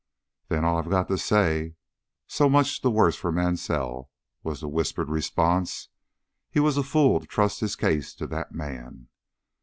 "Then, all I've got to say, 'So much the worse for Mansell!'" was the whispered response. "He was a fool to trust his case to that man."